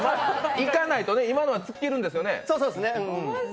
行かないとね、今のは突っ切るんですよね。